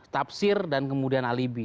tafsir dan kemudian alibi